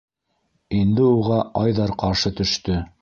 Инде уға Айҙар ҡаршы төштө: